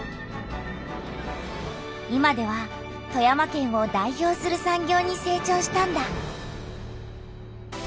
今では富山県を代表する産業にせい長したんだ。